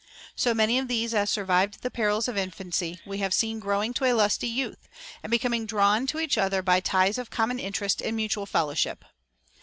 So many of these as survived the perils of infancy we have seen growing to a lusty youth, and becoming drawn each to each by ties of common interest and mutual fellowship.